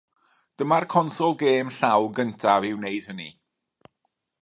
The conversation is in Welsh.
Dyma'r consol gêm llaw cyntaf i wneud hynny.